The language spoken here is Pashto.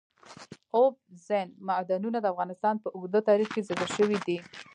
اوبزین معدنونه د افغانستان په اوږده تاریخ کې ذکر شوی دی.